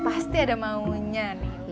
pasti ada maunya nih